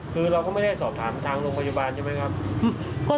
คือเราก็ไม่ได้สอบถามทางโรงพยาบาลใช่ไหมครับ